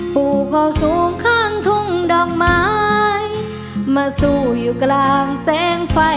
ภูเขาสูงข้างทุ่งดอกไม้มาสู้อยู่กลางแสงไฟ